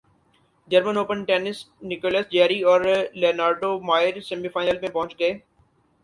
German open tennis Nicolas Jarry اور Leonardo Mayer semi final میں پہنچ گئے